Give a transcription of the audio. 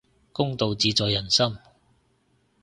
公道自在人心